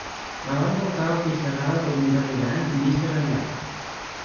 La van portar al pis de dalt al dormitori gran amb vistes al llac.